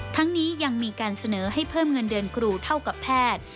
ทั้งนี้ยังมีการเสนอให้เพิ่มเงินเดือนครูเท่ากับแพทย์